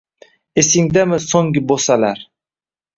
Esingdami so’nggi bo’salar